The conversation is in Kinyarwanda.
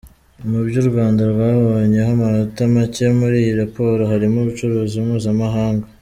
Mu byo u Rwanda rwabonyeho amanota make muri iyi raporo, harimo ubucuruzi mpuzamahanga.